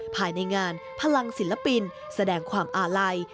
ภายในงานพลังศิลปินแสดงความอาลัย